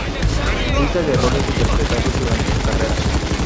Lista de los roles interpretados durante su carrera.